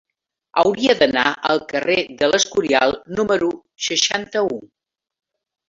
Hauria d'anar al carrer de l'Escorial número seixanta-u.